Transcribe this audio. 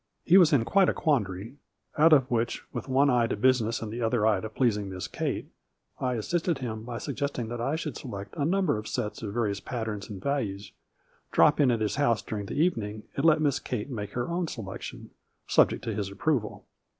He was in quite a quandary, out of which, with one eye to business and the other to pleas ing Miss Kate, I assisted him by suggesting that I should select a member of sets of various patterns and values, drop in at his house during the evening, and let Miss Kate make her own selection, subject to his approval.